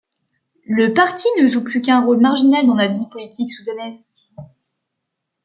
Le parti ne joue plus qu'un rôle marginal dans la vie politique soudanaise.